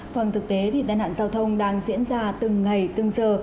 phần thực tế thì tai nạn giao thông đang diễn ra từng ngày từng giờ